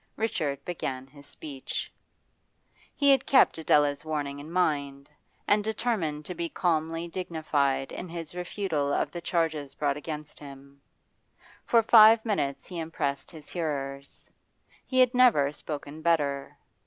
Richard began his speech. He had kept Adela's warning in mind, and determined to be calmly dignified in his refutal of the charges brought against him. For five minutes he impressed his hearers. He had never spoken better.